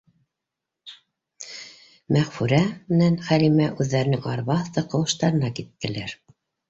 Мәғфүрә.менән Хәлимә үҙҙәренең арба аҫты ҡыуыштарына киттеләр.